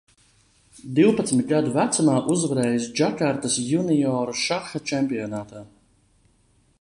Divpadsmit gadu vecumā uzvarējis Džakartas junioru šaha čempionātā.